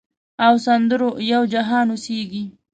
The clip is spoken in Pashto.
او سندرو یو جهان اوسیږې